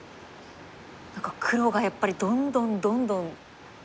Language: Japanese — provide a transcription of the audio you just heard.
何か黒がやっぱりどんどんどんどん。